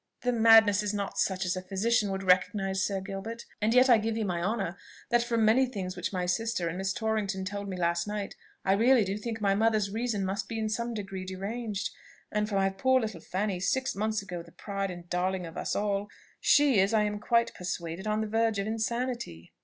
"The madness is not such as a physician would recognise, Sir Gilbert; and yet I give you my honour that, from many things which my sister and Miss Torrington told me last night, I really do think my mother's reason must be in some degree deranged. And for my poor little Fanny, six months ago the pride and darling of us all, she is, I am quite persuaded, on the verge of insanity."